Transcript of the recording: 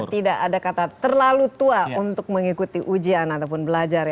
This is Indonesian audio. tidak ada kata terlalu tua untuk mengikuti ujian ataupun belajar